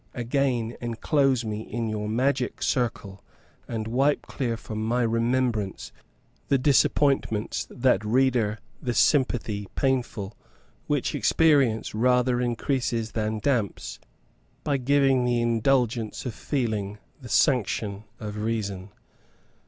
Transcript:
again enclose me in your magic circle, and wipe clear from my remembrance the disappointments that reader the sympathy painful, which experience rather increases than damps, by giving the indulgence of feeling the sanction of reason.